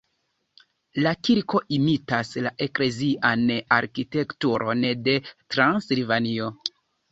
La kirko imitas la eklezian arkitekturon de Transilvanio.